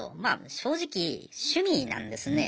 正直趣味なんですね。